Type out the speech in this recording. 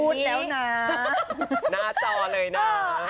แล้วนะหน้าจอเลยนะ